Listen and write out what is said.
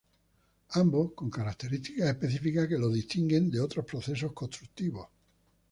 Ambos con características específicas que lo distinguen de otros procesos constructivos.